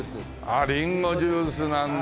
あっリンゴジュースなんだ。